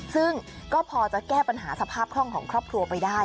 ซึ่งก็พอจะแก้ปัญหาสภาพคล่องของครอบครัวไปได้